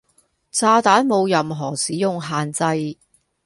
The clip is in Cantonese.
炸彈冇任何使用限制